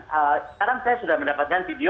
sekarang saya sudah mendapatkan video